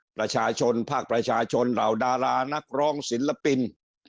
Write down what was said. ประชาชนภาคประชาชนเหล่าดารานักร้องศิลปิน